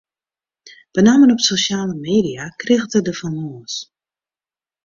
Benammen op sosjale media kriget er der fan lâns.